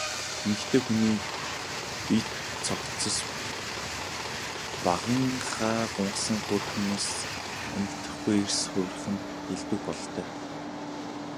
Эмэгтэй хүний бие цогцос багынхаа гунхсан хөөрхнөөс танигдахгүй эрс хувирах нь элбэг бололтой.